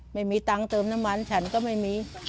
ไม่มีตังค์เติมน้ำมันฉันก็ไม่มี